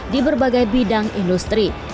di berbagai bidang industri